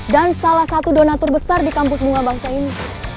dan salah satu donatur besar di kampus bunga bangsa ini